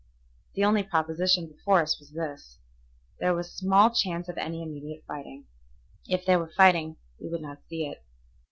The only proposition before us was this: There was small chance of any immediate fighting. If there were fighting we could not see it.